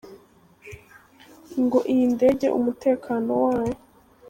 Ngo iyi ndege umutekano wayo.